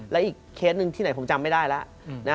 และอีกเคสหนึ่งที่ไหนผมจำไม่ได้แล้ว